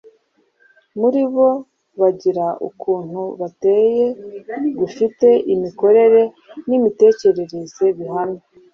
Muri bo bagira ukuntu bateye gufite imikorere n’imitekerereze bihamye